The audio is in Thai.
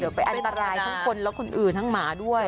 เดี๋ยวไปอันตรายคนอื่นทางหมาด้วย